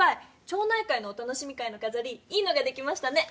町内会のお楽しみ会のかざりいいのができましたね！